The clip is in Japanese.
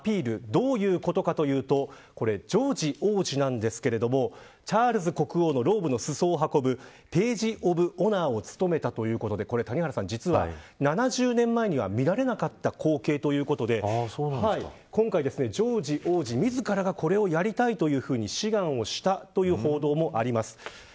どういうことかというとジョージ王子なんですがチャールズ国王のローブの裾を運ぶページ・オブ・オナーを務めたということで実は７０年前には見られなかった光景ということで今回、ジョージ王子自らがこれをやりたいと志願をしたという報道もあります。